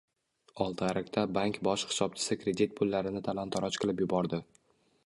Oltiariqda bank bosh hisobchisi kredit pullarini talon-toroj qilib yubordi